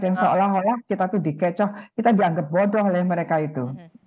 yang seolah olah kita itu dikecoh kita dianggap bodoh oleh mereka itu